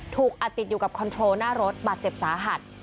ถูกอัดติดอยู่กับคอนโทรลหน้ารถบาดเจ็บสาหัส